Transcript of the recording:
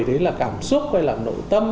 đấy là cảm xúc hay là nội tâm